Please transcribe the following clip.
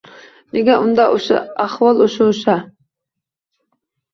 Nega unda ahvol o‘sha-o‘sha?